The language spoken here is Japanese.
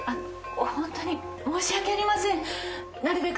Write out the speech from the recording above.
あっ。